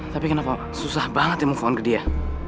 tapi kenapa susah banget ya move on ke dia